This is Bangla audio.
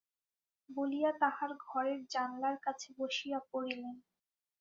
বলিয়া তাঁহার ঘরের জানলার কাছে বসিয়া পড়িলেন।